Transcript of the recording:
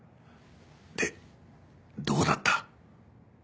でどうだった？